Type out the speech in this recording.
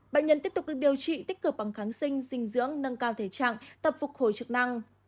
bệnh nhân tiếp tục được điều trị tích cực bằng kháng sinh dinh dưỡng nâng cao thể trạng tập phục hồi chức năng